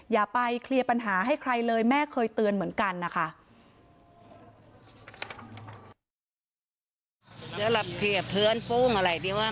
อย่าไปเคลียร์ปัญหาให้ใครเลยแม่เคยเตือนเหมือนกันนะคะ